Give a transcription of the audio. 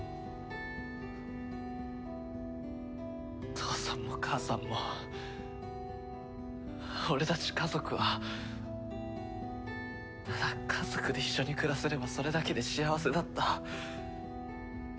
父さんも母さんも俺たち家族はただ家族で一緒に暮らせればそれだけで幸せだった。